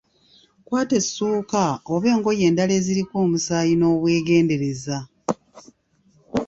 Kwata essuuka oba engoye endala eziriko omusaayi n’obwegendereza.